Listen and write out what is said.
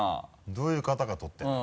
どういう方が撮ってるんだ？